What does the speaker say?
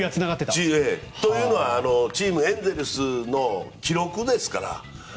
というのはチームエンゼルスの記録ですから。